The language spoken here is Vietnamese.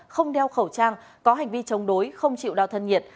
không đeo khẩu trang có hành vi chống đối không chịu đau thân nhiệt